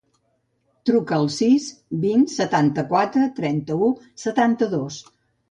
Truca al sis, vint, setanta-quatre, trenta-u, setanta-dos.